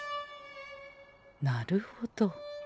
なるほど。